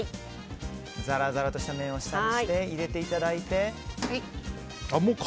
ザラザラの面を下にして入れていただいて。